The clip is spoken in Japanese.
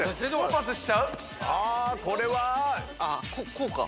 こうか。